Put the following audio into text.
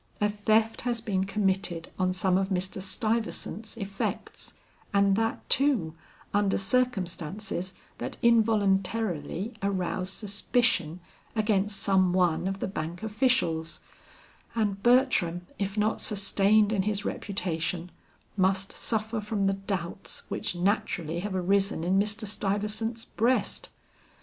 A theft has been committed on some of Mr. Stuyvesant's effects, and that, too, under circumstances that involuntarily arouse suspicion against some one of the bank officials; and Bertram, if not sustained in his reputation, must suffer from the doubts which naturally have arisen in Mr. Stuyvesant's breast.